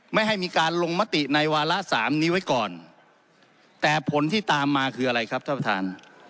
ไม่ให้มีการลงมติในวาระสามนี้ไว้ก่อนแต่ผลที่ตามมาคืออะไรครับท่านประธาน